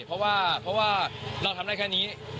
เพราะว่าเราทำได้แค่นี้